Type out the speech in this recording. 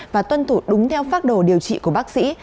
và tuân thủ đúng theo phác đồ điều trị của bác sĩ